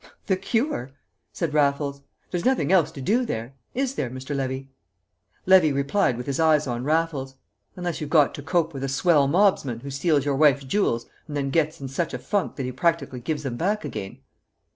"The cure," said Raffles. "There's nothing else to do there is there, Mr. Levy?" Levy replied with his eyes on Raffles: "Unless you've got to cope with a swell mobsman who steals your wife's jewels and then gets in such a funk that he practically gives them back again!"